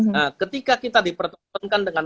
nah ketika kita dipertontonkan dengan